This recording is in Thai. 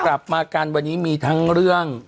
กลับมากันวันนี้มีทั้งเรื่อง